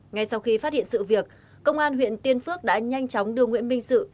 ngay sau khi phát hiện sự việc công an huyện tiên phước đã nhanh chóng đưa nguyễn minh sự